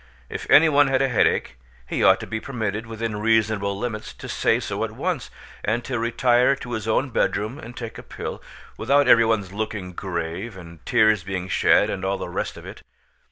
If any one had a headache, he ought to be permitted within reasonable limits to say so at once, and to retire to his own bedroom and take a pill, without every one's looking grave and tears being shed and all the rest of it.